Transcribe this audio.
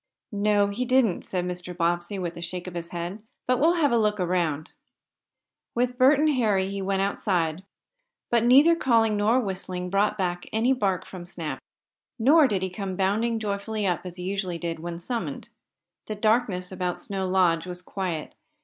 "No, he didn't," said Mr. Bobbsey, with a shake of his head. "But we'll have a look around." With Bert and Harry he went outside. But neither calling nor whistling brought any bark from Snap. Nor did he come bounding joyfully up, as he usually did when summoned. The darkness about Snow Lodge was quiet.